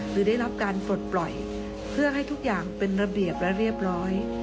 หรือได้รับการปลดปล่อยเพื่อให้ทุกอย่างเป็นระเบียบและเรียบร้อย